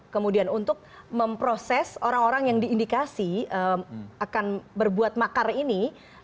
kemudian untuk memproses orang orang yang diindikasi akan berbuat makar ini